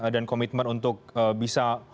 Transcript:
dan komitmen untuk bisa